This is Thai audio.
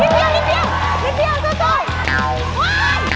นิดเดียวซะสวย